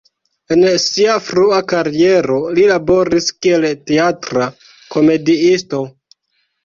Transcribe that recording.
En sia frua kariero li laboris kiel teatra komediisto.